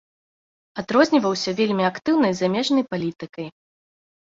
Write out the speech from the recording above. Адрозніваўся вельмі актыўнай замежнай палітыкай.